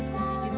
doang bijit buta